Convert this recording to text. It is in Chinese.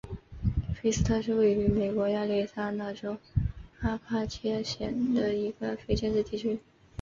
菲斯特是位于美国亚利桑那州阿帕契县的一个非建制地区。